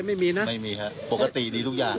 ไม่มีครับปกติดีทุกอย่าง